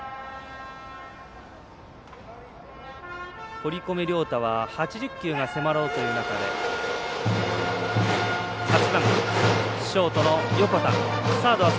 堀米涼太は８０球が迫ろうという中で８番、ショートの横田。